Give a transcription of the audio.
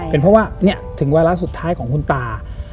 เป็นเพราะว่าถึงวาระสุดท้ายของคุณตา